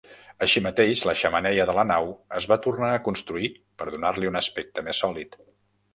Així mateix, la xemeneia de la nau es va tornar a construir per donar-li un aspecte més sòlid.